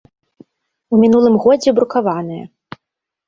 У мінулым годзе брукаваная.